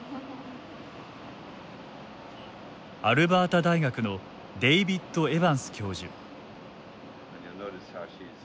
アルバータ大学のデイビッド・エバンス教授。